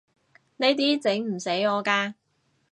呢啲整唔死我㗎